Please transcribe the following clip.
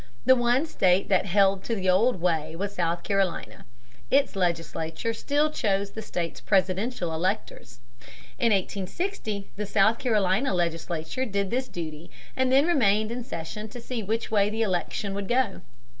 The one state that held to the old way was South Carolina. Its legislature still chose the state's presidential electors. In 1860 the South Carolina legislature did this duty and then remained in session to see which way the election would go.